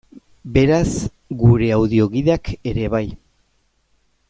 Beraz, gure audio-gidak ere bai.